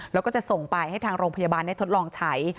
แล้วก็จะส่งไปให้ทางโรงพยาบาลได้ทดลองใช้